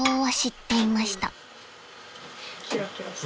キラキラした。